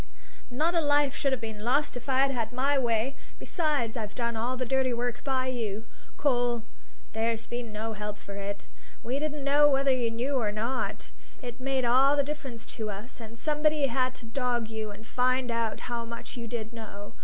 Not a life should have been lost if I'd had my way. Besides, I've done all the dirty work by you, Cole; there's been no help for it. We didn't know whether you knew or not; it made all the difference to us; and somebody had to dog you and find out how much you did know.